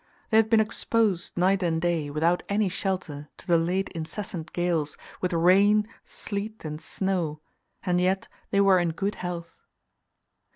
They had been exposed night and day, without any shelter, to the late incessant gales, with rain, sleet, and snow, and yet they were in good health.